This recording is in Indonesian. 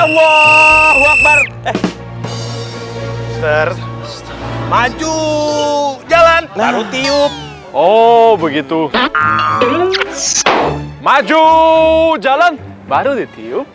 maju jalan baru tiup oh begitu maju jalan baru di tiup